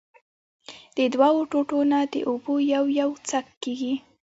د دؤو ټوټو نه د اوبو يو يو څک کېږي